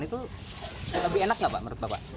itu lebih enak nggak pak menurut bapak